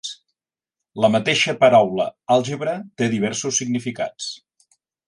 La mateixa paraula àlgebra té diversos significats.